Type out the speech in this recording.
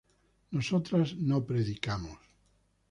nosotras no predicamos